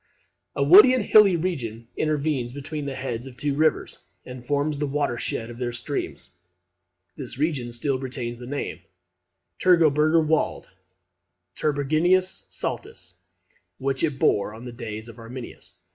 A woody and hilly region intervenes between the heads of the two rivers, and forms the water shed of their streams. This region still retains the name (Teutoberger wald Teutobergiensis saltus) which it bore in the days of Arminius.